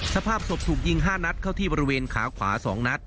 สภาพศพถูกยิง๕นัดเข้าที่บริเวณขาขวา๒นัด